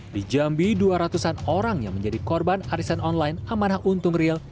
di jambi dua ratus an orang yang menjadi korban arisan online amanah untung real